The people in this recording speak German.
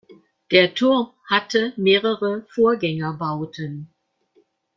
Der Turm hatte mehrere Vorgängerbauten.